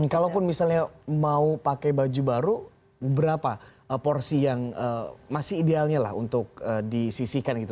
kalaupun misalnya mau pakai baju baru berapa porsi yang masih idealnya lah untuk disisikan gitu